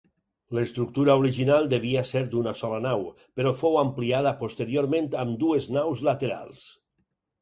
L'estructura original devia ser d'una sola nau, però fou ampliada posteriorment amb dues naus laterals.